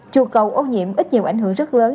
chùa cầu ô nhiễm ít nhiều ảnh hưởng rất lớn